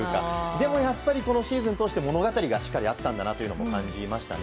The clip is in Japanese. でもやっぱりこのシーズン通して物語がしっかりあったんだなというのも感じましたね。